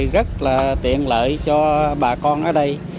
rất là tiện lợi cho bà con ở đây